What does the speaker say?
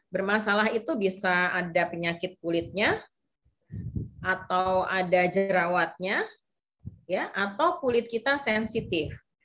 bermasalah itu bisa ada penyakit kulitnya atau ada jerawatnya atau kulit kita sensitif